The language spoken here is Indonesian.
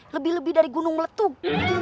lebih lebih dari gunung meletup